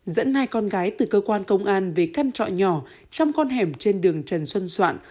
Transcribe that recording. dẫn hai con gái từ cơ quan công an về căn trọ nhỏ trong con hẻm trên đường trần xuân soạn